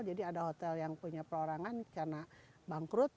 jadi ada hotel yang punya perorangan karena bangkrut